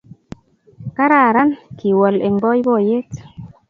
kararan, kiwol eng poipoiyet